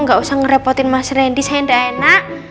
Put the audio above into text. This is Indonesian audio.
gak usah ngerepotin mas rendy saya enggak enak